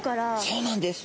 そうなんです！